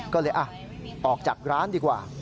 ก็เลยออกจากร้านดีกว่า